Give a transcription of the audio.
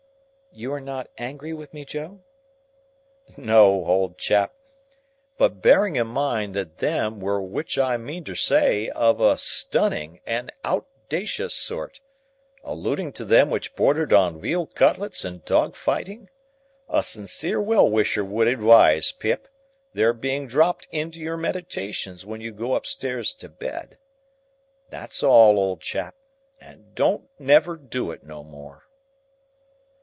"You are not angry with me, Joe?" "No, old chap. But bearing in mind that them were which I meantersay of a stunning and outdacious sort,—alluding to them which bordered on weal cutlets and dog fighting,—a sincere well wisher would adwise, Pip, their being dropped into your meditations, when you go upstairs to bed. That's all, old chap, and don't never do it no more."